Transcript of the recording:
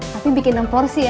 tapi bikin enam porsi ya